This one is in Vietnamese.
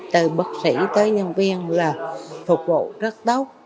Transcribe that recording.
từ bác sĩ tới nhân viên là phục vụ rất tốt